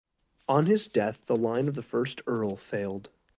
On his death the line of the first Earl failed.